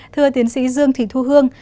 thưa tiến sĩ dương thị thu hương